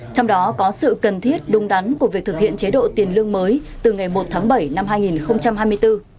trong đó có sự cần thiết đúng đắn của việc thực hiện chế độ tiền lương mới từ ngày một tháng bảy năm hai nghìn hai mươi bốn